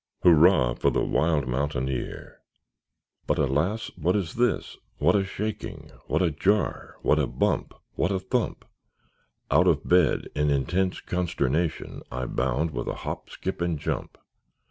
Hurrah, for the wild mountaineer! But, alas! what is this? what a shaking! What a jar! what a bump! what a thump! Out of bed, in intense consternation, I bound with a hop, skip, and jump.